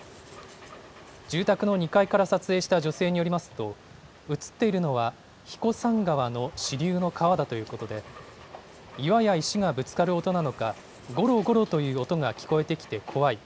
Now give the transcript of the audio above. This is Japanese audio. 住宅の２階から撮影した女性によりますと、写っているのは、彦山川の支流の川だということで、岩や石がぶつかる音なのか、ごろごろという音が聞こえてきて怖い。